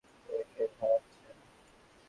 তোকে কে থামাচ্ছে?